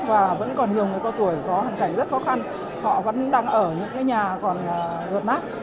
và vẫn còn nhiều người cao tuổi có hoàn cảnh rất khó khăn họ vẫn đang ở những cái nhà còn rột nát